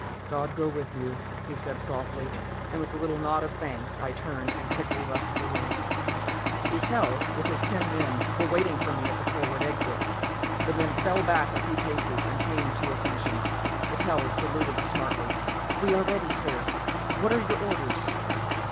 "God go with you," he said softly, and with a little nod of thanks I turned and quickly left the room. Eitel, with his ten men, were waiting for me at the forward exit. The men fell back a few paces and came to attention; Eitel saluted smartly. "We are ready, sir. What are your orders?"